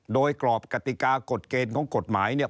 โดยกรอบกติกากฎเกณฑ์ของกฎหมายเนี่ย